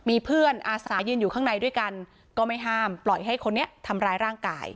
มีเพื่อนอาสายืนอยู่ข้างในด้วยกันก็ไม่ห้ามปล่อยให้คนนี้ทำร้ายร่างกาย